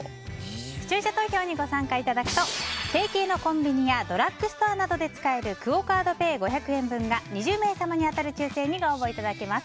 視聴者投票にご参加いただくと提携のコンビニやドラッグストアなどで使えるクオ・カードペイ５００円分が２０名様に当たる抽選にご応募いただけます。